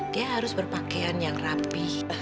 dia harus berpakaian yang rapi